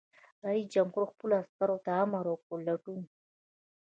رئیس جمهور خپلو عسکرو ته امر وکړ؛ لټون!